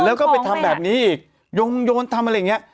แล้วก็ไปทำแบบนี้อีกโยงโยนทำอะไรอย่างนี้